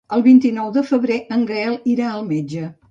El vint-i-nou de febrer en Gaël irà al metge.